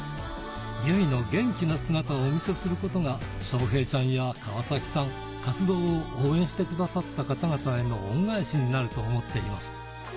ゆいの元気な姿をお見せすることが翔平ちゃんや川崎さん、活動を応援してくださった方々への恩返しになると思っています。